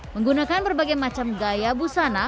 menggunakan berbagai macam gaya busana